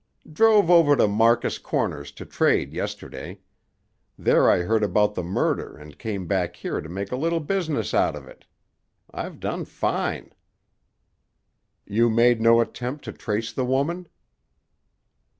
"Drove over to Marcus Corners to trade yesterday. There I heard about the murder and came back here to make a little business out of it. I've done fine." "You made no attempt to trace the woman?"